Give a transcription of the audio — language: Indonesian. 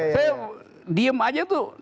saya diem aja tuh